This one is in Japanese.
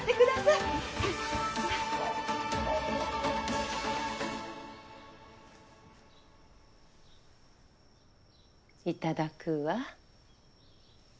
いただくわ。